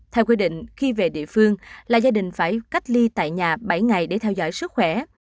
theo quy định khi về địa phương là gia đình phải cách ly tại nhà bảy ngày để theo dõi sức khỏe